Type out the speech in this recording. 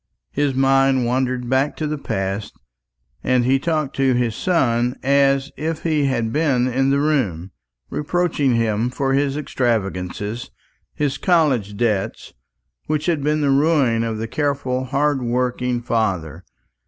His mind wandered back to the past, and he talked to his son as if he had been in the room, reproaching him for his extravagance, his college debts, which had been the ruin of his careful hard working father.